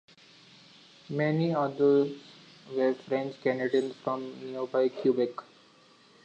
Many others were French Canadians from nearby Quebec.